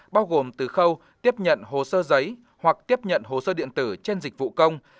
bao gồm từ khâu tiếp nhận hồ sơ giấy hoặc tiếp nhận hồ sơ điện tử trên dịch vụ công